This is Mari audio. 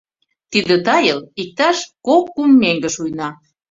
Тиде тайыл иктаж кок-кум меҥге шуйна.